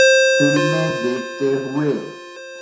فلمیں دیکھتے ہوئے